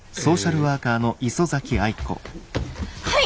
はい！